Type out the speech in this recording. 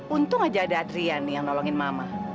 untung aja ada adriani yang nolongin mama